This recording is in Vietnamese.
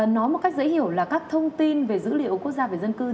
nói một cách dễ hiểu là các thông tin về dữ liệu quốc gia về dân cư